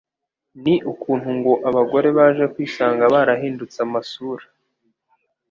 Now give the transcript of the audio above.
ni ukuntu ngo abagore baje kwisanga barahindutse amasura